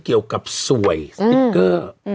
เกี่ยวกับสวยสติ๊กเกอร์